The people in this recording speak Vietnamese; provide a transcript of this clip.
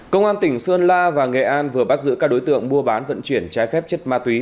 công an tỉnh sơn la và nghệ an vừa bắt giữ các đối tượng mua bán vận chuyển trái phép chất ma túy